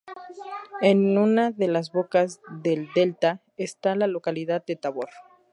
En una de las bocas del delta está la localidad de Tabor.